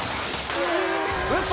「ウソ！